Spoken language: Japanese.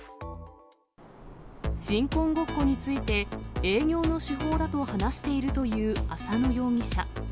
新婚ごっこについて、営業の手法だと話している浅野容疑者。